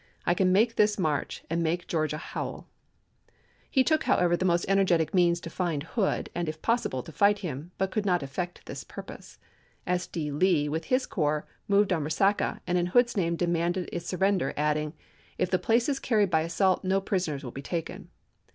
. I can make this march and make Georgia howl !" He took, however, the most energetic means to find Hood, and, if possible, to fight him, but could not effect this purpose. S. D. Lee, with his corps, moved on Eesaca, and in Hood's name demanded oct.12,1864, its surrender, adding, " If the place is carried by assault no prisoners will be taken."